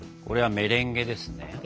これはメレンゲですね？